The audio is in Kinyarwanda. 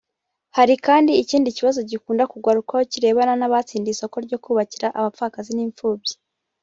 Hari kandi n’ikindi kibazo gikunda kugarukwaho kirebana n’abatsindiye isoko ryo kubakira abapfakazi n’imfubyi